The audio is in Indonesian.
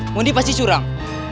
mending pasti curang